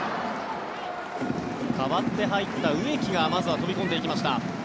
代わって入った植木がまずは飛び込んでいきました。